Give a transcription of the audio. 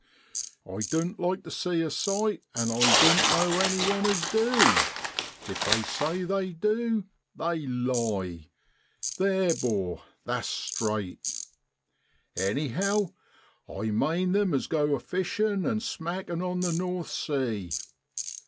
I doan't like the sea a sight, and doan't know anyone as du; if they say they du they lie ; theer, 'bor, tha's straight. Anyhow, I mane them as go a fishin' an' smackin' on the North Sea.